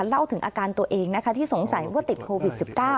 เล่าถึงอาการตัวเองนะคะที่สงสัยว่าติดโควิด๑๙